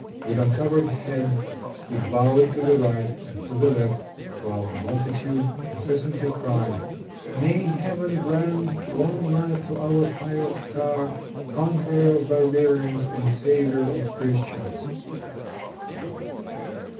With uncovered head he bowed to the right and to the left, while the multitude incessantly cried, "May Heaven grant long life to our pious tzar, conqueror of barbarians and saviour of Christians."